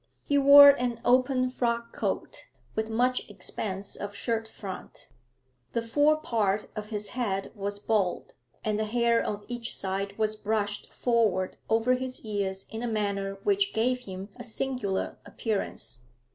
He wore an open frock coat, with much expanse of shirt front. The fore part of his head was bald, and the hair on each side was brushed forward over his ears in a manner which gave him a singular appearance.